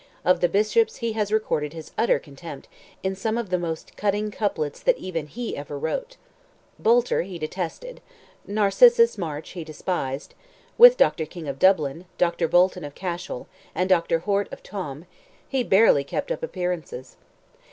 Of the bishops he has recorded his utter contempt in some of the most cutting couplets that even he ever wrote. Boulter he detested; Narcissus Marsh he despised; with Dr. King of Dublin, Dr. Bolton of Cashel, and Dr. Horte of Tuam, he barely kept up appearances.